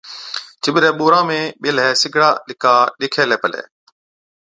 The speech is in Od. چِٻرَي ٻُورا ۾ ٻيهلَي سِگڙا لَڪا ڏيکي هِلَي پلَي۔